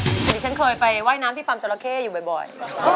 เมื่อกี้ฉันเคยไปว่ายน้ำพี่พำเจาราเค้อยู่บ่อย